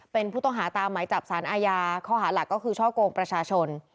เป็นผู้ต้องหาตามหมายจับสารอาญาข้อหาหลักก็คือช่อกงประชาชน